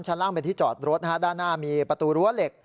ชั้นล่างเป็นที่จอดรถด้านหน้ามีประตูรั้วเหล็ก